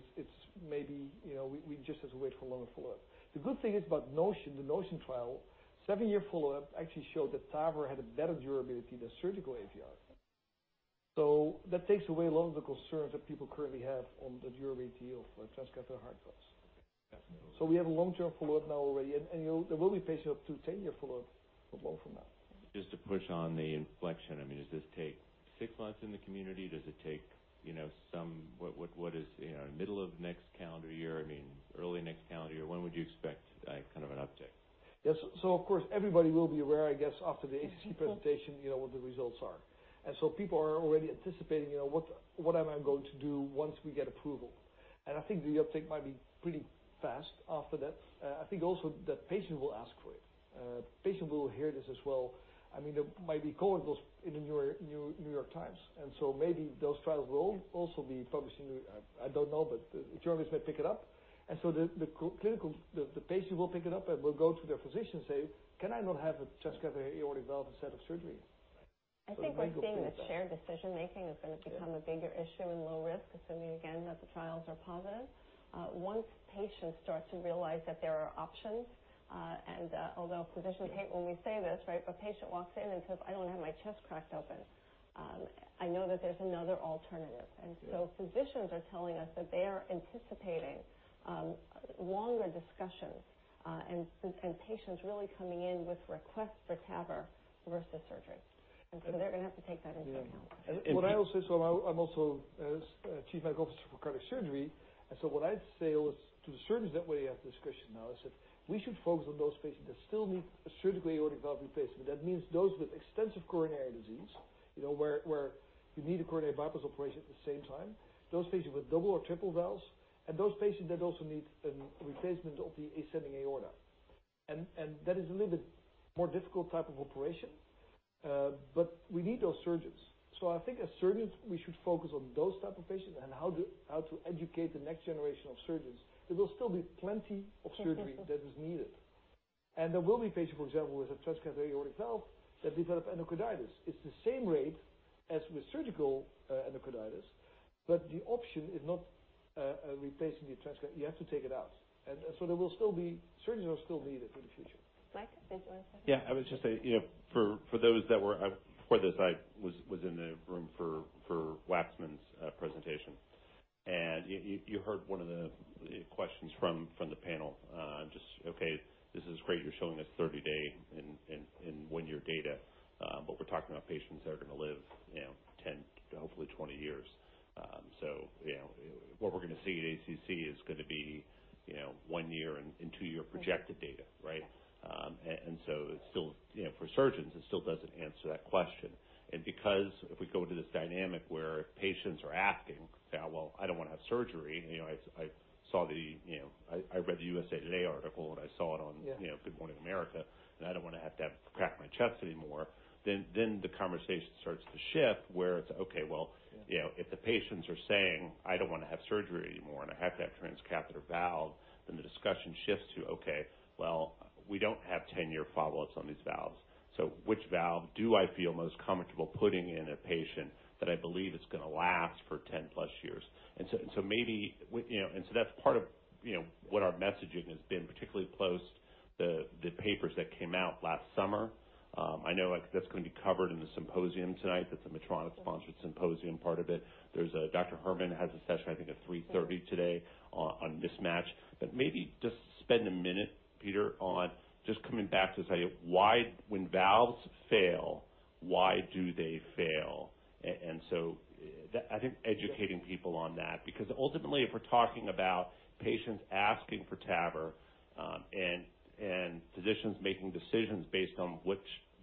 we just have to wait for a longer follow-up. The good thing about the NOTION trial, 7-year follow-up actually showed that TAVR had a better durability than surgical AVR. That takes away a lot of the concerns that people currently have on the durability of transcatheter heart valves. Absolutely. We have a long-term follow-up now already, and there will be patients up to 10-year follow-up not long from now. Just to push on the inflection. Does this take 6 months in the community? Does it take middle of next calendar year, early next calendar year? When would you expect an uptick? Of course, everybody will be aware, I guess, after the ACC presentation, what the results are. People are already anticipating what am I going to do once we get approval. I think the uptick might be pretty fast after that. I think also that patients will ask for it. Patient will hear this as well. There might be articles in The New York Times, maybe those trials will also be publishing. I don't know, but journalists may pick it up. The patient will pick it up and will go to their physician and say, "Can I not have a transcatheter aortic valve instead of surgery? I think we're seeing that shared decision-making is going to become a bigger issue in low risk, assuming again that the trials are positive. Once patients start to realize that there are options, and although physicians hate when we say this, a patient walks in and says, "I don't want to have my chest cracked open. I know that there's another alternative." Physicians are telling us that they are anticipating longer discussions, and patients really coming in with requests for TAVR versus surgery. They're going to have to take that into account. What I would say, I'm also chief medical officer for cardiac surgery. What I'd say to the surgeons that we have this discussion now is that we should focus on those patients that still need a surgical aortic valve replacement. That means those with extensive coronary disease, where you need a coronary bypass operation at the same time. Those patients with double or triple valves, and those patients that also need a replacement of the ascending aorta. That is a little bit more difficult type of operation. We need those surgeons. I think as surgeons, we should focus on those type of patients and how to educate the next generation of surgeons. There will still be plenty of surgery that is needed. There will be patients, for example, with a transcatheter aortic valve that develop endocarditis. It's the same rate as with surgical endocarditis, but the option is not replacing the transcatheter. You have to take it out. Surgeries are still needed in the future. Mike, did you want to say something? Yeah, I would just say for those that were for this, I was in the room for Waksman's presentation. You heard one of the questions from the panel. Just, okay, this is great. You're showing us 30-day and one-year data, but we're talking about patients that are going to live 10 to hopefully 20 years. What we're going to see at ACC is going to be one year and two-year projected data, right? Yes. For surgeons, it still doesn't answer that question. Because if we go into this dynamic where patients are asking, say, "Well, I don't want to have surgery. I read the USA Today article, and I saw it on Good Morning America, and I don't want to have to crack my chest anymore." The conversation starts to shift where it's okay, well, if the patients are saying, I don't want to have surgery anymore, and I have that transcatheter valve, the discussion shifts to okay, well, we don't have 10-year follow-ups on these valves. Which valve do I feel most comfortable putting in a patient that I believe is going to last for 10-plus years? That's part of what our messaging has been, particularly post the papers that came out last summer. I know that's going to be covered in the symposium tonight. That's a Medtronic-sponsored symposium part of it. There's Dr. Herrmann has a session, I think at 3:30 P.M. today on mismatch. Maybe just spend a minute, Pieter, on just coming back to say why when valves fail, why do they fail? I think educating people on that, because ultimately, if we're talking about patients asking for TAVR and physicians making decisions based on which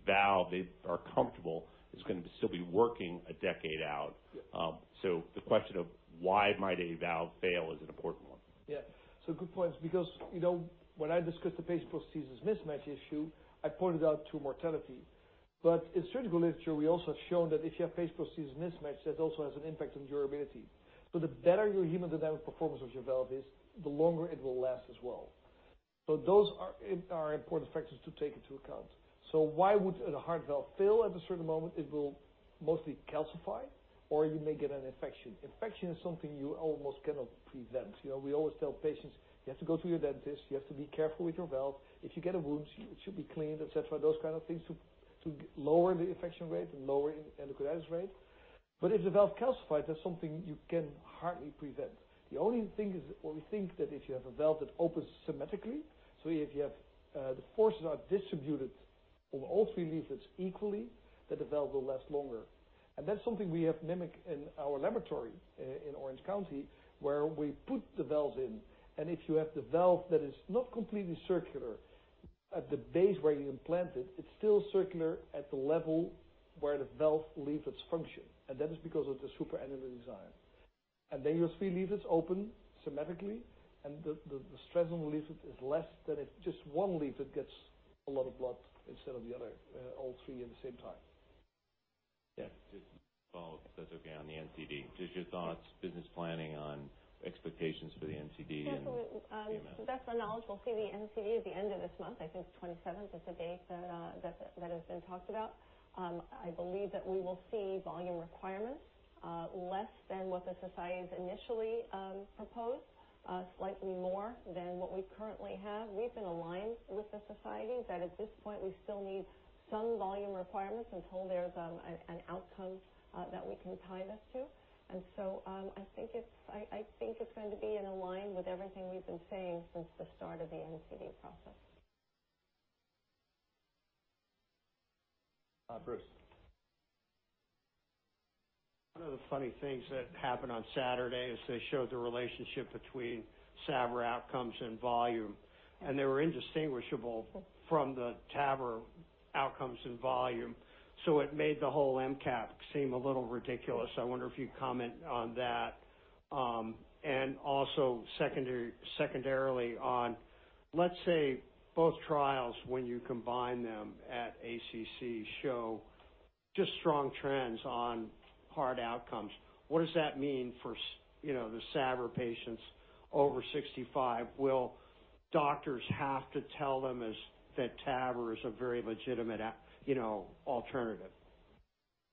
valve they are comfortable is going to still be working a decade out. Yeah. The question of why might a valve fail is an important one. Good point because when I discussed the patient-prosthesis mismatch issue, I pointed out to mortality. In surgical literature, we also have shown that if you have patient-prosthesis mismatch, that also has an impact on durability. The better your hemodynamic performance of your valve is, the longer it will last as well. Those are important factors to take into account. Why would a heart valve fail at a certain moment? It will mostly calcify, or you may get an infection. Infection is something you almost cannot prevent. We always tell patients, you have to go to your dentist. You have to be careful with your valve. If you get a wound, it should be cleaned, et cetera. Those kind of things to lower the infection rate and lower endocarditis rate. If the valve calcifies, that's something you can hardly prevent. The only thing is, we think that if you have a valve that opens symmetrically, if the forces are distributed over all three leaflets equally, that the valve will last longer. That's something we have mimicked in our laboratory in Orange County, where we put the valves in, and if you have the valve that is not completely circular at the base where you implant it's still circular at the level where the valve leaflets function. That is because of the supra-annular design. Then your three leaflets open symmetrically, and the stress on the leaflet is less than if just one leaflet gets a lot of blood instead of the other, all three at the same time. Yeah. Just follow up, if that's okay, on the NCD. Just your thoughts, business planning on expectations for the NCD and the MS. That's our knowledge. We'll see the NCD at the end of this month. I think the 27th is the date that has been talked about. I believe that we will see volume requirements less than what the societies initially proposed, slightly more than what we currently have. We've been aligned with the societies that at this point, we still need some volume requirements until there's an outcome that we can tie this to. I think it's going to be in align with everything we've been saying since the start of the NCD process. Bruce. One of the funny things that happened on Saturday is they showed the relationship between SAVR outcomes and volume, and they were indistinguishable from the TAVR outcomes and volume. It made the whole NCD seem a little ridiculous. I wonder if you'd comment on that. Also, secondarily on, let's say, both trials, when you combine them at ACC, show just strong trends on hard outcomes. What does that mean for the SAVR patients over 65? Will doctors have to tell them that TAVR is a very legitimate alternative?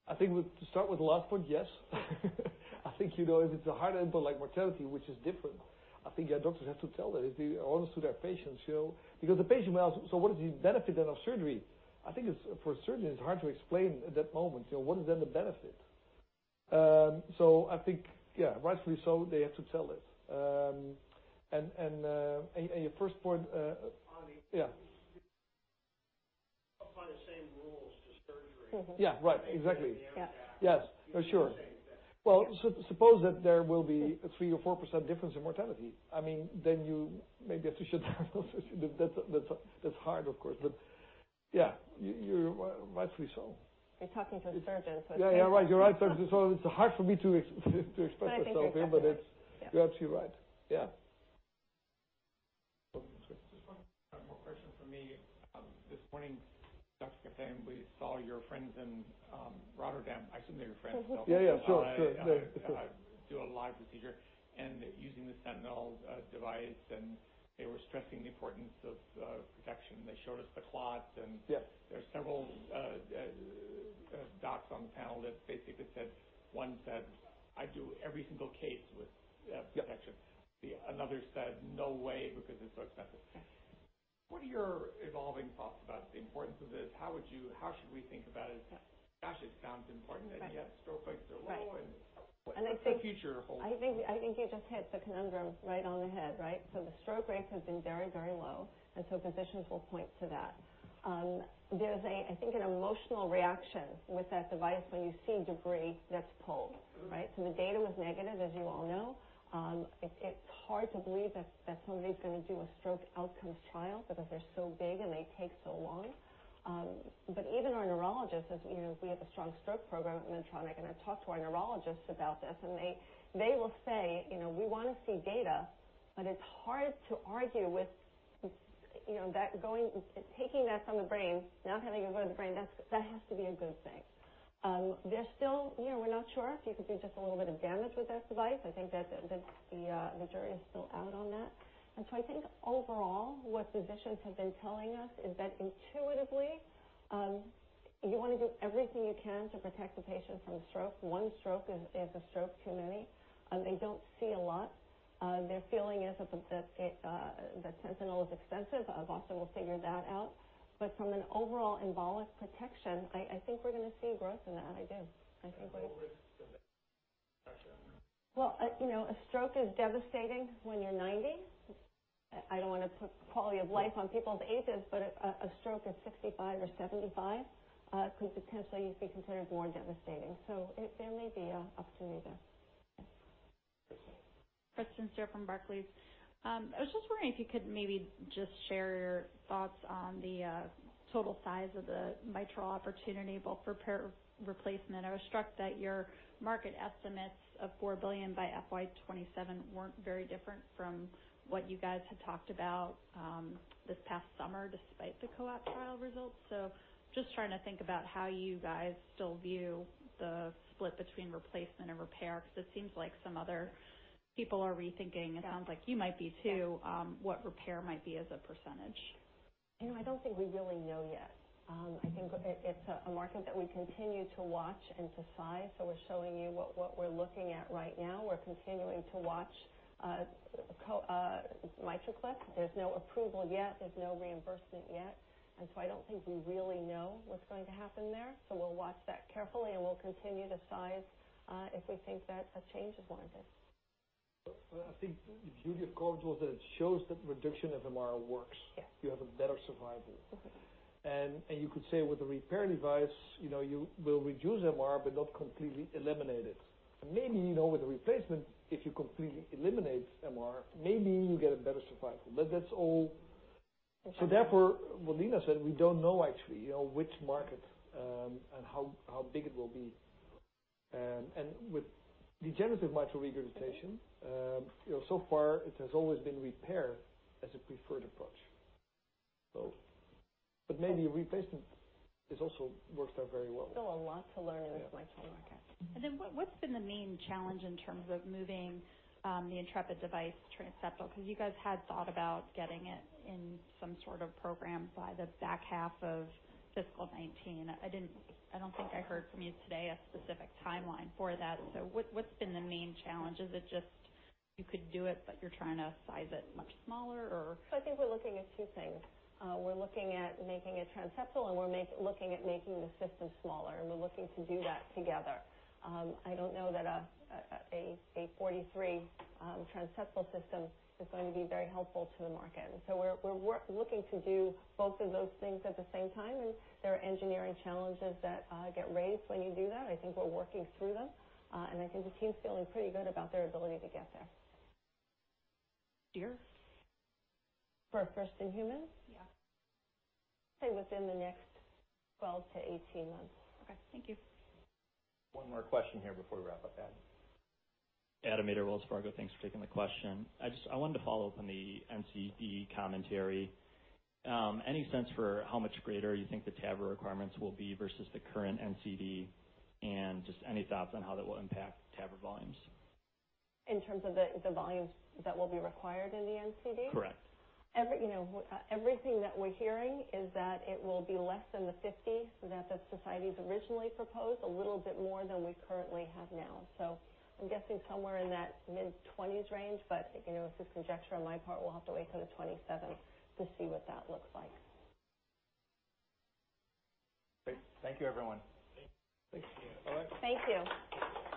I think to start with the last point, yes. I think, if it's a hard endpoint like mortality, which is different, I think, yeah, doctors have to tell that, be honest to their patients. Because the patient may ask, "So what is the benefit then of surgery?" I think for a surgeon, it's hard to explain at that moment, what is then the benefit. I think yeah, rightfully so, they have to tell it. Your first point- On the- Yeah. Apply the same rules to surgery. Yeah. Right. Exactly. Yeah. Yes, for sure. You were saying that. Suppose that there will be a three or four% difference in mortality, then maybe you have to shift. That's hard, of course, but yeah. Rightfully so. You're talking to a surgeon, it's hard. Yeah. You're right. It's hard for me to express myself in. I think you're right You're absolutely right. Yeah. Go ahead, Chris. Just one more question from me. This morning, Dr. Goffi, we saw your friends in Rotterdam. I assume they're your friends. Yeah. Sure. Do a live procedure and using the Sentinel device. They were stressing the importance of protection. They showed us the clots. Yeah there are several docs on the panel that basically said One said, "I do every single case with protection. Yeah. Another said, "No way," because it's so expensive. What are your evolving thoughts about the importance of this? How should we think about it as, gosh, it sounds important, and yet stroke rates are low. Right. I think. What does the future hold? I think you just hit the conundrum right on the head. Right. The stroke rates have been very low, and so physicians will point to that. There is, I think, an emotional reaction with that device when you see debris that is pulled. Right. The data was negative, as you all know. It is hard to believe that somebody is going to do a stroke outcome trial because they are so big and they take so long. Even our neurologists, as you know, we have a strong stroke program at Medtronic, and I talked to our neurologists about this, and they will say, "We want to see data," but it is hard to argue with taking that from the brain, not having it go to the brain. That has to be a good thing. We are not sure if you could do just a little bit of damage with that device. I think that the jury is still out on that. I think overall, what physicians have been telling us is that intuitively, you want to do everything you can to protect the patient from stroke. One stroke is a stroke too many. They do not see a lot. Their feeling is that the Sentinel is expensive. Boston will figure that out. From an overall embolic protection, I think we are going to see growth in that. I do. I think we. What was the protection? Well, a stroke is devastating when you are 90. I do not want to put quality of life on people's ages, but a stroke at 65 or 75 could potentially be considered more devastating. There may be an opportunity there. Christine Zhao from Barclays. I was just wondering if you could maybe just share your thoughts on the total size of the mitral opportunity, both repair, replacement. I was struck that your market estimates of $4 billion by FY 2027 weren't very different from what you guys had talked about this past summer, despite the COAPT trial results. Just trying to think about how you guys still view the split between replacement and repair, because it seems like some other people are rethinking, it sounds like you might be too, what repair might be as a percentage. I don't think we really know yet. I think it's a market that we continue to watch and to size, so we're showing you what we're looking at right now. We're continuing to watch MitraClip. There's no approval yet, there's no reimbursement yet. I don't think we really know what's going to happen there. We'll watch that carefully, and we'll continue to size if we think that a change is warranted. I think the beauty of COAPT was that it shows that reduction of MR works. Yes. You have a better survival. You could say with the repair device, you will reduce MR but not completely eliminate it. Maybe, with the replacement, if you completely eliminate MR, maybe you get a better survival. Therefore, what Nina said, we don't know actually, which market, and how big it will be. With degenerative mitral regurgitation, so far it has always been repair as a preferred approach. Maybe replacement has also worked out very well. Still a lot to learn with mitral market. What's been the main challenge in terms of moving the Intrepid device transseptal? Because you guys had thought about getting it in some sort of program by the back half of fiscal 2019. I don't think I heard from you today a specific timeline for that. What's been the main challenge? Is it just you could do it, but you're trying to size it much smaller, or? I think we're looking at two things. We're looking at making it transseptal, and we're looking at making the system smaller, and we're looking to do that together. I don't know that a 43 transseptal system is going to be very helpful to the market. We're looking to do both of those things at the same time, and there are engineering challenges that get raised when you do that. I think we're working through them. I think the team's feeling pretty good about their ability to get there. Year? For first in humans? Yeah. Say within the next 12-18 months. Okay. Thank you. One more question here before we wrap up, Adam. Adam Maeder, Wells Fargo, thanks for taking the question. I wanted to follow up on the NCD commentary. Any sense for how much greater you think the TAVR requirements will be versus the current NCD? Just any thoughts on how that will impact TAVR volumes? In terms of the volumes that will be required in the NCD? Correct. Everything that we're hearing is that it will be less than the 50 that the societies originally proposed, a little bit more than we currently have now. I'm guessing somewhere in that mid-20s range, but it's just conjecture on my part. We'll have to wait for the 27th to see what that looks like. Great. Thank you, everyone. Thank you. Thank you.